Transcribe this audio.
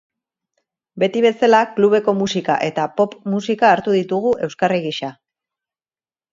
Beti bezala, klubeko musika eta pop musika hartu ditugu euskarri gisa.